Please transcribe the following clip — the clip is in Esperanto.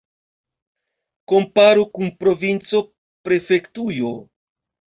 Komparu kun provinco, prefektujo.